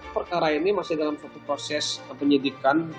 perkara ini masih dalam satu proses penyidikan